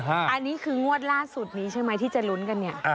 อันนี้คืองวดล่าสุดนี้ใช่ไหมที่จะลุ้นกันเนี่ย